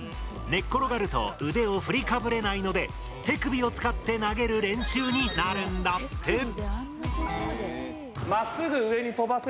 寝っ転がると腕を振りかぶれないので手首を使って投げる練習になるんだって。